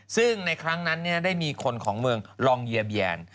ซึ่งในครั้งนั้นได้มีคนของเมืองลองเยียแยน